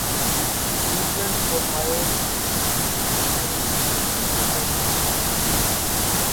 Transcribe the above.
Cleveland Ohio Aruvi California